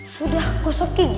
sudah kusuk gigi